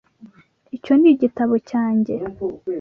Icyo ni igitabo cyanjye.